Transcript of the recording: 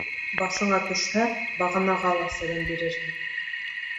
Башыңа төшһә, бағанаға ла сәләм бирерһең.